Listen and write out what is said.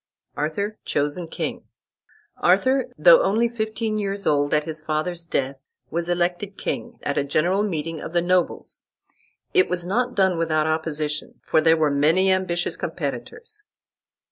ARTHUR CHOSEN KING Arthur, though only fifteen years old at his father's death, was elected king, at a general meeting of the nobles. It was not done without opposition, for there were many ambitious competitors.